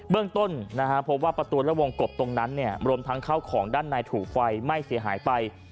เรื่องต้นพบว่าประตูและวงกบตรงนั้นรวมทั้งเข้าของด้านในถูกไฟไหม้เสียหายไป